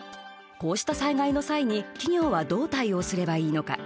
こうした災害の際に企業はどう対応すればいいのか。